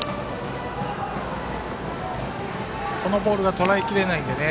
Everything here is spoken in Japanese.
このボールがとらえきれないのでね。